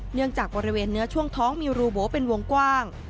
เนื่องจากบริเวณเนื้อช่วงท้องมีรูโบเป็นวงกว้าง